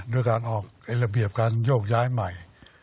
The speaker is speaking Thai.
ด้วยการออกระเบียบการโยกย้ายใหม่